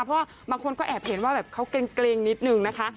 เพราะว่าบางคนก็แอบเห็นว่าแบบเขาเกร็งนิดนึงนะคะ